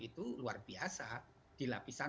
itu luar biasa di lapisan